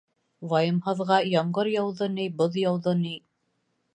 Вайымһыҙға ямғыр яуҙы ни, боҙ яуҙы ни.